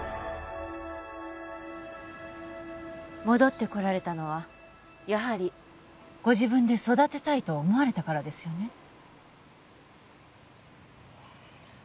戻ってこられたのはやはりご自分で育てたいと思われたからですよね